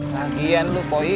lagian lu poi